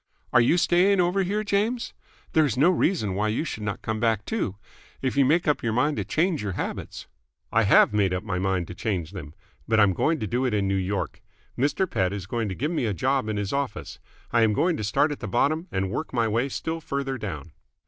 "Are you staying over here, James? There is no reason why you should not come back, too. If you make up your mind to change your habits " "I have made up my mind to change them. But I'm going to do it in New York. Mr. Pett is going to give me a job in his office. I am going to start at the bottom and work my way still further down."